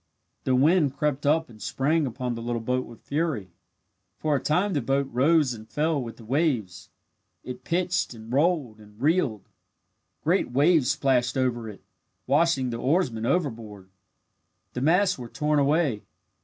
The wind crept up and sprang upon the little boat with fury. For a time the boat rose and fell with the waves. It pitched and rolled and reeled. Great waves splashed over it, washing the oarsmen overboard. The masts were torn away.